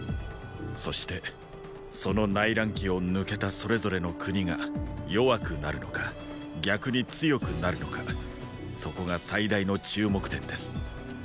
そしてその内乱期を抜けたそれぞれの国が弱くなるのか逆に強くなるのかそこが最大の注目点です。